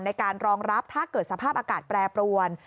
ในการรองรับถ้าเกิดสภาพอากาศแปรปรวน